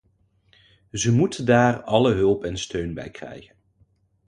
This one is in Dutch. Ze moeten daar alle hulp en steun bij krijgen.